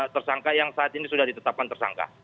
tersangka yang saat ini sudah ditetapkan tersangka